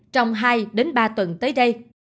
trong hai ba tuần tới đây